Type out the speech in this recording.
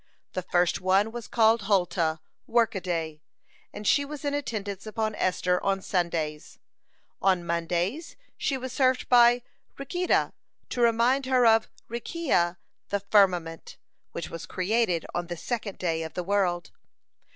The first one was called Hulta, "Workaday," and she was in attendance upon Esther on Sundays. On Mondays, she was served by Rok`ita, to remind her of Rek`ia, "the Firmament," which was created on the second day of the world.